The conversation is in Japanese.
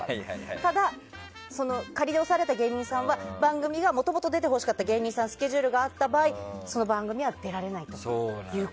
ただ、その仮で押さえられた芸人さんは番組が元々出てほしかった芸人さんにスケジュールが合った場合その番組は出られないと。